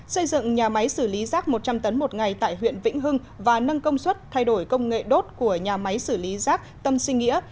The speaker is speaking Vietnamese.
xây dựng nhà máy xử lý rác một trăm linh tấn một ngày tại huyện vĩnh hưng và nâng công suất thay đổi công nghệ đốt của nhà máy xử lý rác tâm sinh nghĩa